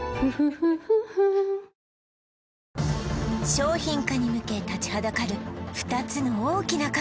商品化に向け立ちはだかる２つの大きな壁